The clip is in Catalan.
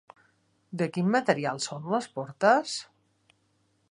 De quin material són les portes?